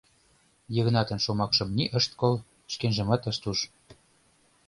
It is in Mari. Йыгнатын шомакшым ни ышт кол, шкенжымат ышт уж.